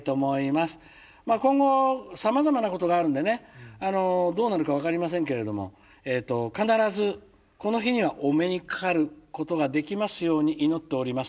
まあ今後さまざまなことがあるんでねどうなるか分かりませんけれども必ずこの日にはお目にかかることができますように祈っております。